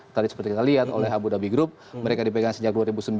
tadi seperti kita lihat oleh abu dhabi group mereka dipegang sejak dua ribu sembilan